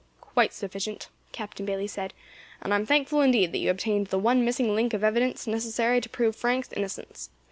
"Quite sufficient," Captain Bayley said, "and I am thankful indeed that you obtained the one missing link of evidence necessary to prove Frank's innocence.